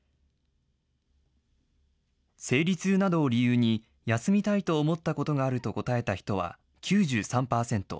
生理痛などを理由に休みたいと思ったことがあると答えた人は９３％。